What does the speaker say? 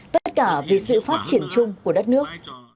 tất cả vì sự phát triển chung của đất nước